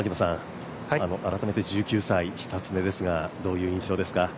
改めて１９歳、久常ですがどういう印象ですか？